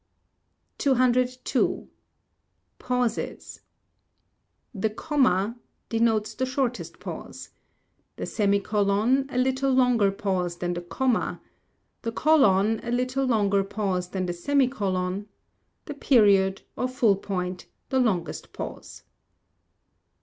202. Pauses The Comma , denotes the shortest pause; the semicolon ; a little longer pause than the comma; the colon : a little longer pause than the semicolon; the period . or full point the longest pause.